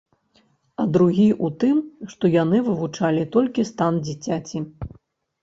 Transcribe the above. А другі ў тым, што яны вывучалі толькі стан дзіцяці.